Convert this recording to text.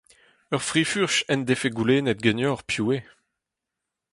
Ur fri-furch en defe goulennet ganeoc'h piv eo.